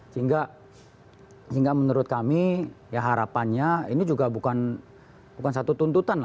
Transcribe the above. sehingga menurut kami ya harapannya ini juga bukan satu tuntutan